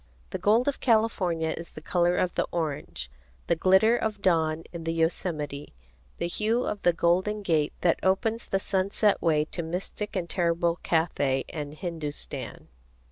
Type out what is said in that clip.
The gold of California is the color of the orange, the glitter of dawn in the Yosemite, the hue of the golden gate that opens the sunset way to mystic and terrible Cathay and Hindustan.